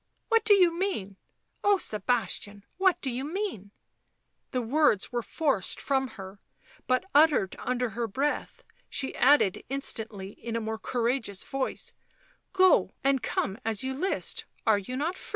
" What do you mean ? Oh, Sebastian, what do you mean ?" The words were forced from her, but uttered under her breath ; she added instantly, in a more courageous voice, " Go and come as you list, are you not free